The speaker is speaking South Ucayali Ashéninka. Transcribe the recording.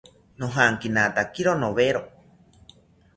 Nojankinatakiro nowero